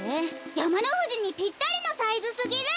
やまのふじにぴったりのサイズすぎる！